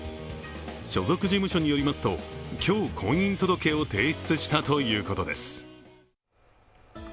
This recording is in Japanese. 所属事務所によりますと今日、婚姻届を提出したということです。